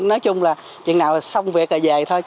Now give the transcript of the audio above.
nói chung là chừng nào xong việc là về thôi